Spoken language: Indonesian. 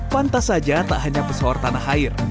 pantas saja tak hanya pesohor tanah air